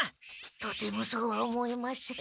とてもそうは思えません。